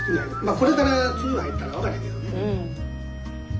これから梅雨入ったら分からへんけどね。